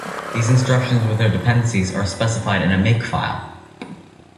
These instructions with their dependencies are specified in a "makefile".